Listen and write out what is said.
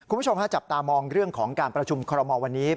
คุณผู้ชมฮะจับตามองเรื่องของการประชุมคอรมอลวันนี้